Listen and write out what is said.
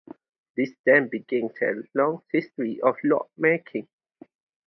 This then began their long history of lock making.